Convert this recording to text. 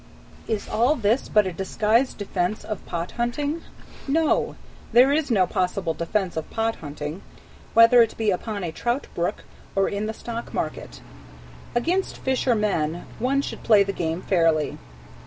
Is all this but a disguised defense of pot hunting? No. There is no possible defense of pot hunting, whether it be upon a trout brook or in the stock market. Against fish or men, one should play the game fairly.